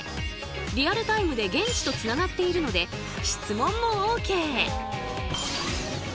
リアルタイムで現地とつながっているので質問もＯＫ！